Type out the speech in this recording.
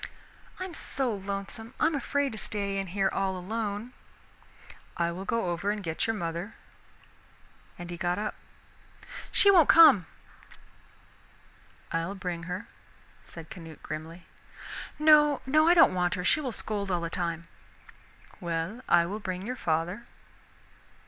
"I'm so lonesome, I'm afraid to stay in here all alone." "I will go over and get your mother." And he got up. "She won't come." "I'll bring her," said Canute grimly. "No, no. I don't want her, she will scold all the time." "Well, I will bring your father."